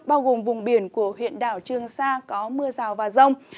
bao gồm vùng biển của huyện đảo trương sa có mưa rào và rông